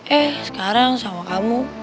eh sekarang sama kamu